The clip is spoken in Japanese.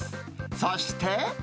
そして。